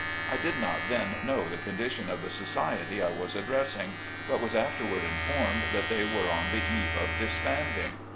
I did not then know the condition of the society I was addressing, but was afterward informed that they were on the eve of disbanding.